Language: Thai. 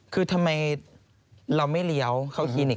คือทำไมเราไม่เลี้ยวเข้าคลินิก